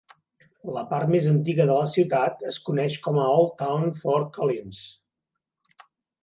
La part més antiga de la ciutat és coneix com a Old Town Fort Collins.